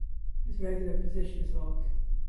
His regular position is lock.